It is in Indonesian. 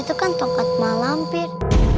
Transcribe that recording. itu kan tokat malam pir